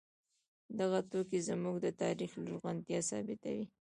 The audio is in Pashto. دغه توکي زموږ د تاریخ لرغونتیا ثابتوي.